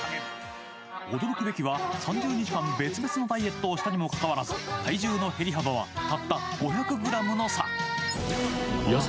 「驚くべきは３０日間別々のダイエットをしたにもかかわらず体重の減り幅はたった５００ｇの差」